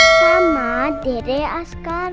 sama dede askara